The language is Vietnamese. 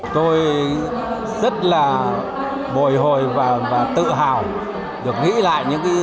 tôi rất là bồi hồi và tự hào được nghĩ lại những cái